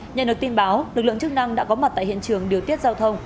nhà nước tin báo lực lượng chức năng đã có mặt tại hiện trường điều tiết giao thông